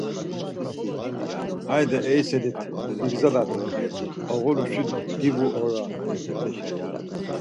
Hayde eyselit, bigzalat, oguruşi divu ora.